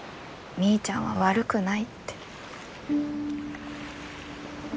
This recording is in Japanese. みーちゃんは悪くない。